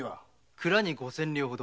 蔵に五千両ほど。